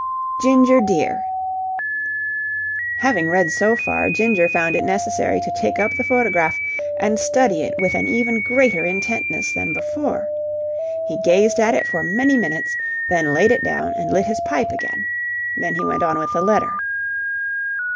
"Ginger, dear." Having read so far, Ginger found it necessary to take up the photograph and study it with an even greater intentness than before. He gazed at it for many minutes, then laid it down and lit his pipe again. Then he went on with the letter.